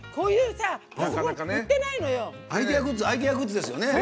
アイデアグッズですよね。